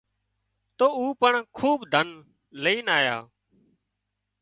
تو او پڻ کوٻ ڌن لائينَ آيا